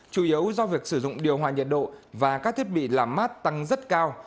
chủ yếu do việc sử dụng điều hòa nhiệt độ và các thiết bị làm mát tăng rất cao